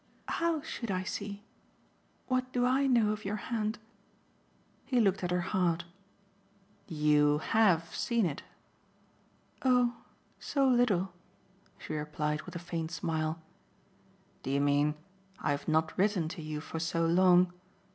"How should I see? What do I know of your hand?" He looked at her hard. "You HAVE seen it." "Oh so little!" she replied with a faint smile. "Do you mean I've not written to you for so long?